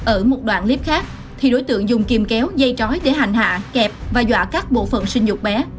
ở một đoạn clip khác thì đối tượng dùng kìm kéo dây trói để hành hạ kẹp và dọa các bộ phận sinh dục bé